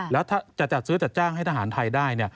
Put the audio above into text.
แล้วถ้าจะจัดซื้อจัดจ้างให้ทหารไทยได้